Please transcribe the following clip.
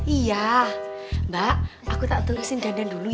iya mbak aku takut terusin dandan dulu ya